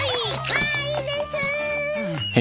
わいです。